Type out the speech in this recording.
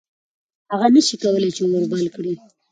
هغه نه شي کولی چې اور بل کړي.